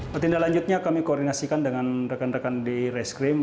pertindahan lanjutnya kami koordinasikan dengan rekan rekan di reskrim